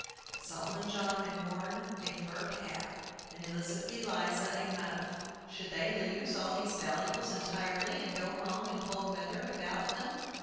But Solomon John had worn a fur cap, and Elizabeth Eliza a muff. Should they lose all these valuables entirely, and go home in the cold without them?